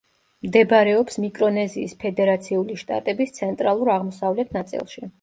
მდებარეობს მიკრონეზიის ფედერაციული შტატების ცენტრალურ-აღმოსავლეთ ნაწილში.